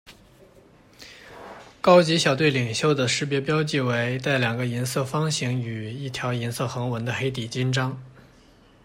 高级小队领袖的识别标记为带两个银色方形与一条银色横纹的黑底襟章。